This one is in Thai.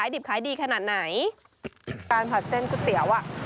ดิบขายดีขนาดไหนการผัดเส้นก๋วยเตี๋ยวอ่ะ